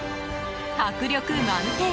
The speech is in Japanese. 迫力満点！